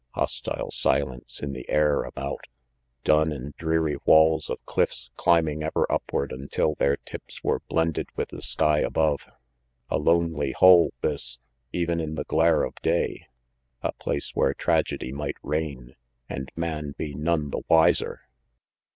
Hostile silence in the air about! Dun and dreary walls of cliffs climbing ever upward until their tips were blended with the sky above. A lonely hole, this, even in the glare of day. A place where tragedy might reign, and man be none the wiser!